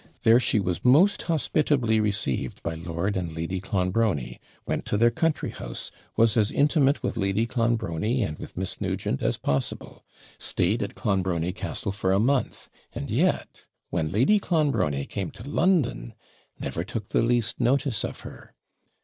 There she was most hospitably received by Lord and Lady Clonbrony went to their country house was as intimate with Lady Clonbrony and with Miss Nugent as possible stayed at Clonbrony Castle for a month; and yet, when Lady Clonbrony came to London, never took the least notice of her.